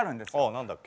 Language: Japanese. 何だっけ？